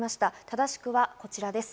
正しくはこちらです。